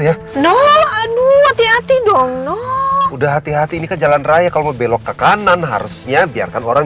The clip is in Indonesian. ya no aduh hati hati dong udah hati hati jalan raya kalau belok ke kanan harusnya biarkan orang